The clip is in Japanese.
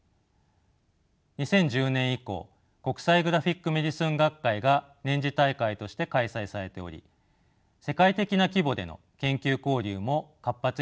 ２０１０年以降国際グラフィック・メディスン学会が年次大会として開催されており世界的な規模での研究交流も活発になされています。